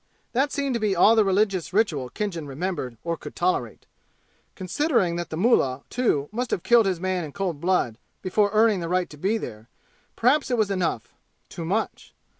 That seemed to be all the religious ritual Khinjan remembered or could tolerate. Considering that the mullah, too, must have killed his man in cold blood before earning the right to be there, perhaps it was enough too much.